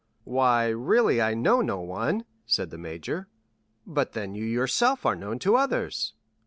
"Why, really I know no one," said the major. "But then you yourself are known to others?"